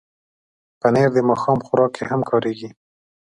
پنېر د ماښام خوراک کې هم کارېږي.